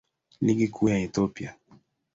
Ligi Kuu ya Ethiopia.